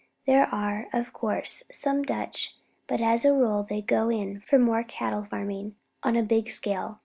There are, of course, some Dutch, but as a rule they go in more for cattle farming on a big scale.